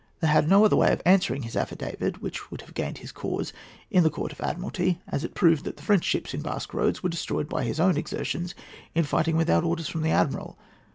They had no other way of answering his affidavit, which would have gained his cause in the Court of Admiralty, as it proved that the French ships in Basque Roads were destroyed by his own exertions in fighting without orders from the Admiral.